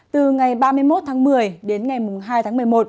từ ngày ba mươi một tháng một mươi đến ngày hai tháng một mươi một